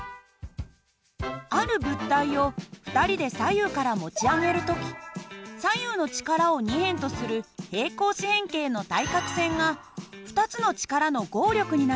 ある物体を２人で左右から持ち上げる時左右の力を２辺とする平行四辺形の対角線が２つの力の合力になります。